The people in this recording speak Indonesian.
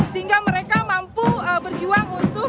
sehingga mereka mampu berjuang untuk